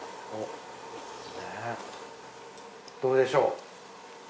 どうでしょう？